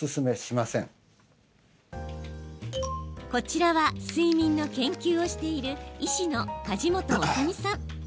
こちらは睡眠の研究をしている医師の梶本修身さん。